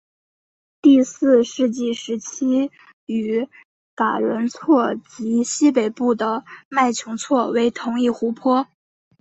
第四纪时期与嘎仁错及西北部的麦穷错为同一湖泊。